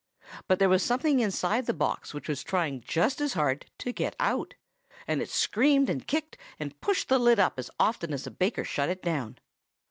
But there was something inside the box which was trying just as hard to get out, and it screamed and kicked, and pushed the lid up as often as the baker shut it down.